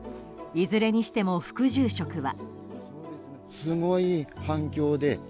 いずれにしても、副住職は。